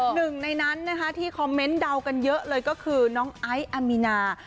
หนึ่งในนั้นนะคะที่คอมเมนต์เดากันเยอะเลยก็คือน้องไอซ์อามีนา